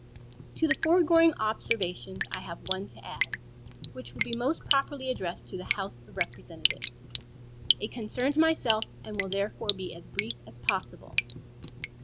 To the foregoing observations I have one to add, which will be most properly addressed to the House of Representatives. It concerns myself, and will therefore be as brief as possible.